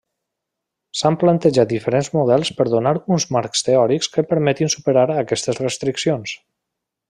S'han plantejat diferents models per donar uns marcs teòrics que permetin superar aquestes restriccions.